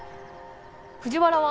藤原は？